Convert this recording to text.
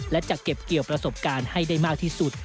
และจะเก็บเกี่ยวประสบการณ์ให้ได้มากที่สุด